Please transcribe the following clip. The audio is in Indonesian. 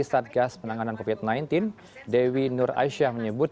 satgas penanganan covid sembilan belas dewi nur aisyah menyebut